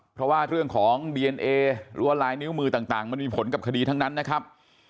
เพราะว่าเรื่องของดีเอนเอหรือว่าลายนิ้วมือต่างมันมีผลกับคดีทั้งนั้นนะครับ